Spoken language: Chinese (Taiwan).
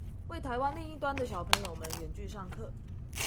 為臺灣另一端的小朋友們遠距上課